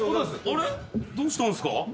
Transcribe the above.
あれっ⁉どうしたんすか？